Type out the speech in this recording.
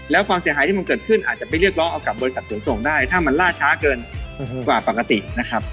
แล้วความเสียหายที่มันเกิดขึ้นอาจจะไปเรียกร้องเอากับบริษัทขนส่งได้ถ้ามันล่าช้าเกินกว่าปกตินะครับ